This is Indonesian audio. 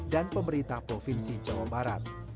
dan pemerintah provinsi jawa barat